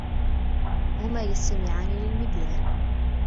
هما يستمعان للمذياع.